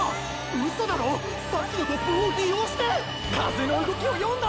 うそだろ⁉さっきの突風を利用して⁉風の動きを読んだんだ！！